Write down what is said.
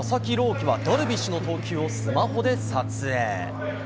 希はダルビッシュの投球をスマホで撮影。